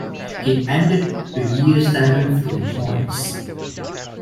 He ended the year seventh in points.